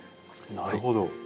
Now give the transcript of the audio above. なるほど。